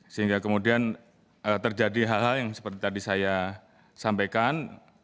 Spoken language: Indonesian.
sehingga kemudian terjadi hal hal yang seperti tadi saya sampaikan